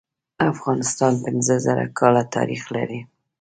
افغانستان پینځه زره کاله تاریخ لري.